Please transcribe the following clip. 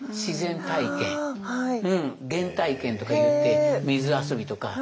原体験とか言って水遊びとか。